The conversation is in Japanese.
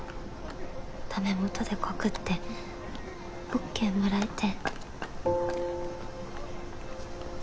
だめもとで告ってＯＫもらえて。